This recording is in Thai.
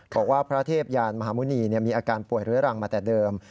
พระเทพยานมหาหมุณีมีอาการป่วยเรื้อรังมาแต่เดิม